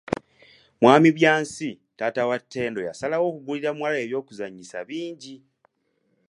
Mwami Byansi, taata wa Ttendo yasalawo okugulira muwala we eby'okuzanyisa bingi.